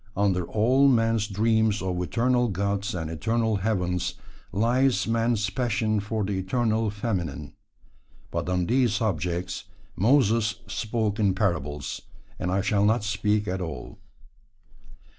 Under all man's dreams of eternal gods and eternal heavens lies man's passion for the eternal feminine. But on these subjects "Moses" spoke in parables, and I shall not speak at all.